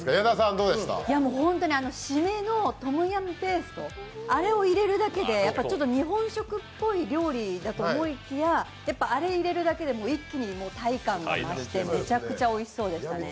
シメのトムヤムペーストを入れるだけでちょっと日本食っぽい料理だと思いきややっぱ、あれ入れるだけで一気にタイ感が増してめちゃくちゃおいしそうでしたね。